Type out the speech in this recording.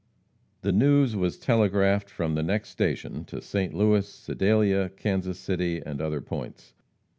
The news was telegraphed from the next station to St. Louis, Sedalia, Kansas City and other points.